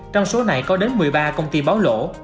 trong số này có đến một mươi ba công ty báo lỗ